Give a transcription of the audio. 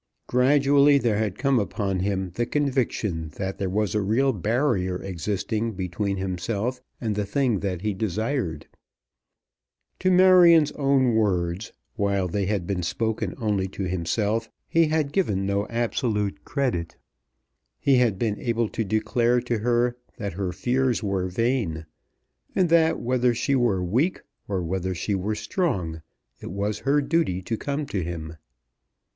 Gradually there had come upon him the conviction that there was a real barrier existing between himself and the thing that he desired. To Marion's own words, while they had been spoken only to himself, he had given no absolute credit. He had been able to declare to her that her fears were vain, and that whether she were weak or whether she were strong, it was her duty to come to him.